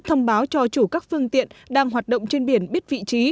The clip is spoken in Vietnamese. thông báo cho chủ các phương tiện đang hoạt động trên biển biết vị trí